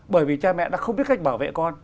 bởi vì cha mẹ đã không biết cách bảo vệ con